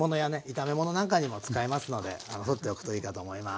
炒め物なんかにも使えますので取っておくといいかと思います。